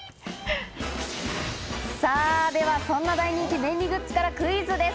さぁではそんな大人気、便利グッズからクイズです。